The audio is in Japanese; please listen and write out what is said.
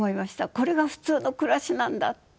これが普通の暮らしなんだって。